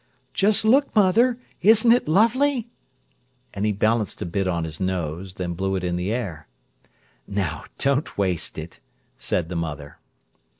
"Just look, mother! Isn't it lovely?" And he balanced a bit on his nose, then blew it in the air. "Now, don't waste it," said the mother.